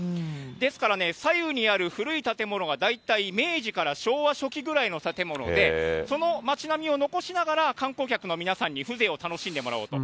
ですから、左右にある古い建物は大体明治から昭和初期くらいの建物で、その町並みを残しながら観光客の皆さんに風情を楽しんでもらおうと。